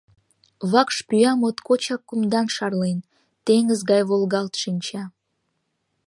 Вакш пӱя моткочак кумдан шарлен, теҥыз гай волгалт шинча.